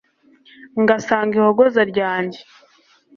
ngasanga ihogoza ryajye